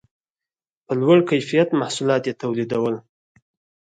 په لوړ کیفیت محصولات یې تولیدول